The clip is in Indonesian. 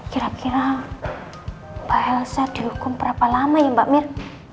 kira kira pak elsa dihukum berapa lama ya mbak mir